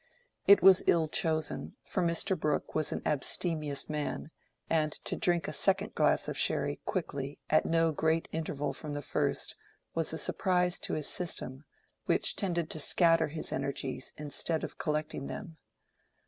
It was ill chosen; for Mr. Brooke was an abstemious man, and to drink a second glass of sherry quickly at no great interval from the first was a surprise to his system which tended to scatter his energies instead of collecting them.